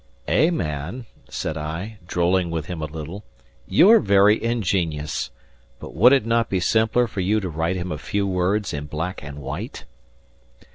"Eh, man," said I, drolling with him a little, "you're very ingenious! But would it not be simpler for you to write him a few words in black and white?"